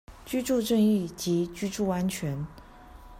居住正義及居住安全